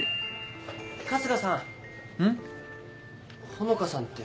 穂香さんって。